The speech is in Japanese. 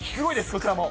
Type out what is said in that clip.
こちらも。